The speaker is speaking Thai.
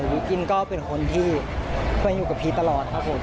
วิทย์อินก็เป็นคนที่มันอยู่กับพี่ตลอดครับผม